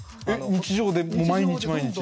日常で毎日毎日？